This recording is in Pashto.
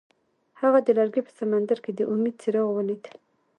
هغه د لرګی په سمندر کې د امید څراغ ولید.